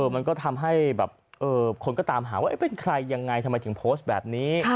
มันก็ทำให้แบบคนก็ตามหาว่าเป็นใครยังไงทำไมถึงโพสต์แบบนี้